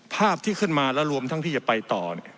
ภาพที่ขึ้นมาและรวมทั้งที่จะไปต่อ